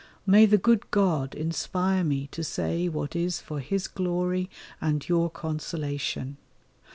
May the good God inspire me to say what is for His glory and your consolation.